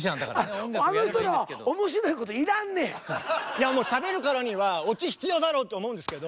いやもうしゃべるからにはオチ必要だろって思うんですけど。